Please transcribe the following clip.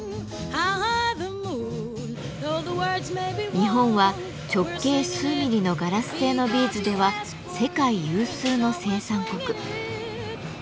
日本は直径数ミリのガラス製のビーズでは世界有数の生産国。